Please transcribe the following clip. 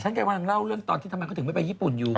กำลังเล่าเรื่องตอนที่ทำไมเขาถึงไม่ไปญี่ปุ่นอยู่